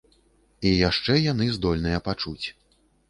І яшчэ яны здольныя пачуць.